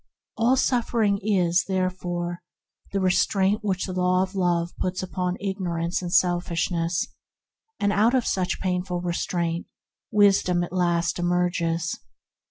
All suffering is, there fore, the restraint that the Law puts upon ignorance and selfishness: out of such painful restraint Wisdom at last emerges.